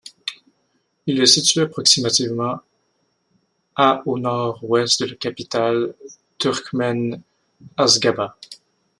Il est situé approximativement à au nord-ouest de la capitale turkmène Aşgabat.